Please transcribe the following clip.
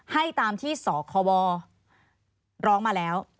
ให้ตามที่สควร้องมาแล้ว